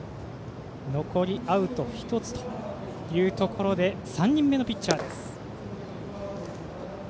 残りアウト１つというところで３人目のピッチャーです。